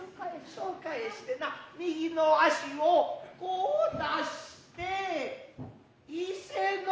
そう返してな右の足をこう出して「伊勢の國に」。